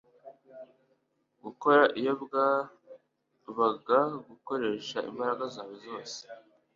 gukora iyo bwabagagukoresha imbaraga zawe zose